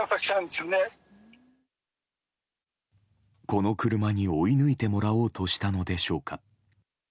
この車に追い抜いてもらおうとしたのでしょうか。